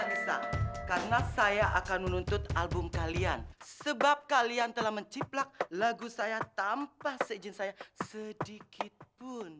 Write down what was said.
besar karena saya akan menuntut album kalian sebab kalian telah menciplak lagu saya tanpa seizin saya sedikit pun